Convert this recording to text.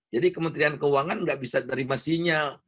jadi kementerian keuangan gak bisa terima sinyal